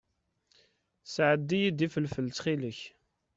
Sɛeddi-iyi-d ifelfel, ttxil-k.